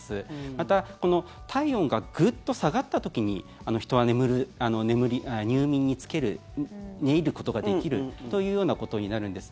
また、体温がグッと下がった時に人は眠る、入眠につける寝入ることができるというようなことになるんです。